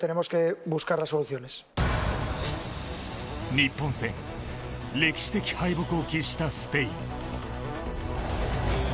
日本戦歴史的敗北を喫したスペイン。